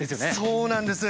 そうなんです。